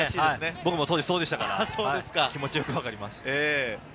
僕もそうでしたから気持ちは分かります。